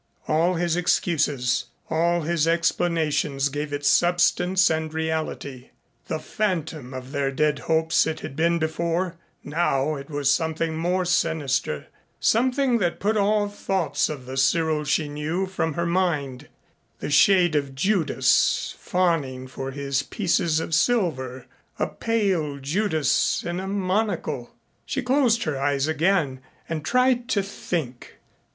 All his excuses, all his explanations gave it substance and reality. The phantom of their dead hopes it had been before now it was something more sinister something that put all thoughts of the Cyril she knew from her mind the shade of Judas fawning for his pieces of silver a pale Judas in a monocle.... She closed her eyes again and tried to think.